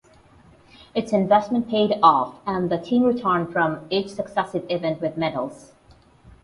Its investment paid off and the team returned from each successive event with medals.